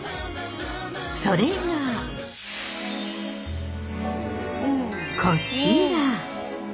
それがこちら！